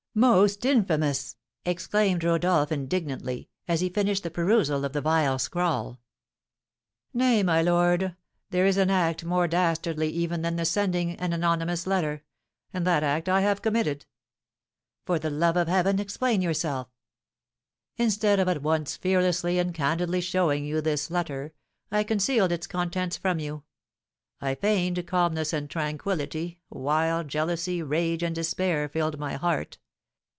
"Most infamous!" exclaimed Rodolph, indignantly, as he finished the perusal of the vile scrawl. "Nay, my lord, there is an act more dastardly even than the sending an anonymous letter; and that act I have committed." "For the love of heaven, explain yourself!" "Instead of at once fearlessly and candidly showing you this letter, I concealed its contents from you. I feigned calmness and tranquillity, while jealousy, rage, and despair filled my heart.